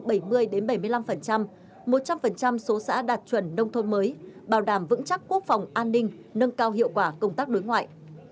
tỷ lệ đô thị hóa đạt khoảng bảy mươi năm một trăm linh số xã đạt chuẩn nông thôn mới bảo đảm vững chắc quốc phòng an ninh nâng cao hiệu quả công tác đối ngoại